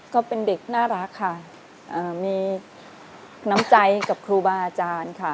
ก็เป็นเด็กน่ารักค่ะมีน้ำใจกับครูบาอาจารย์ค่ะ